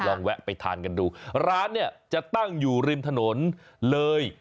ลองแวะไปทานกันดูร้านจะตั้งอยู่ริมถนนเลย